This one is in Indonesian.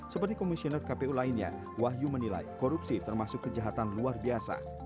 seperti komisioner kpu lainnya wahyu menilai korupsi termasuk kejahatan luar biasa